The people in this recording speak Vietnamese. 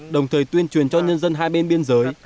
đồng thời tuyên truyền cho nhân dân hai bên biên giới